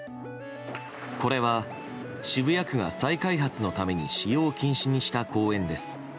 これは渋谷区が再開発のために使用禁止にした公園です。